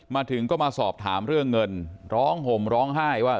มาถึงก็มาสอบถามเรื่องเงินร้องห่มร้องไห้ว่า